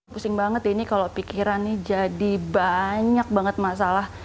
pusing banget ya ini kalau pikiran nih jadi banyak banget masalah